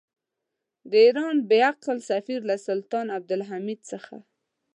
د ایران بې عقل سفیر له سلطان عبدالحمید څخه.